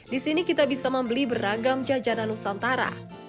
di sini kita bisa membeli beragam jajanan nusantara